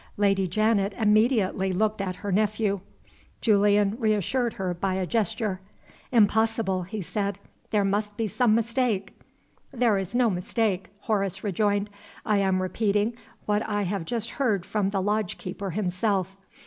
Lady Janet immediately looked at her nephew. Julian reassured her by a gesture. "Impossible," he said. "There must be some mistake." "There is no mistake," Horace rejoined. "I am repeating what I have just heard from the lodge keeper himself.